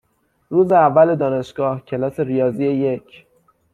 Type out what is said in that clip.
روز اول دانشگاه، کلاس ریاضی یک؛